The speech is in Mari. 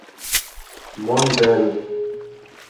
Монден?